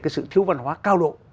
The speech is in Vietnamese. cái sự thiếu văn hóa cao độ